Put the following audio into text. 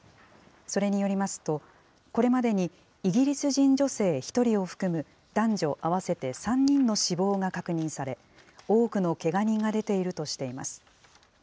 それによりますと、これまでにイギリス人女性１人を含む男女合わせて３人の死亡が確認され、多くのけが人が出ているとしています。